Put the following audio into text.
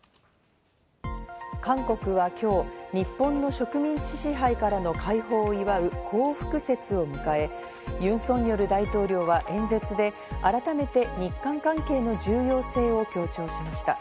韓国は今日、日本の植民地支配からの解放を祝う光復節を迎え、ユン・ソンニョル大統領は演説で改めて日韓関係の重要性を強調しました。